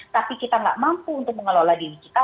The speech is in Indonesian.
tapi kita nggak mampu untuk mengelola diri kita